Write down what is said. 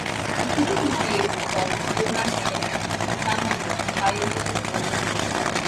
The city was named for Leonard French, the son of a pioneer merchant.